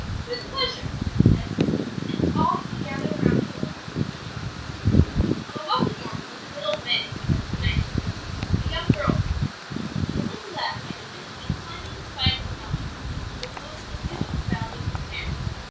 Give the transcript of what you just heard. "With pleasure," he said, and all having gathered around to listen, he began. "On a lovely morning in the middle of May, 1793, a young girl and a little lad might have been seen climbing the side of a mountain overlooking the beautiful Valley of Luserna.